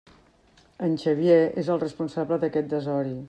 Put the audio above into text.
En Xavier és el responsable d'aquest desori!